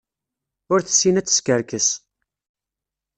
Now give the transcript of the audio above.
Ur tessin ad teskerkes.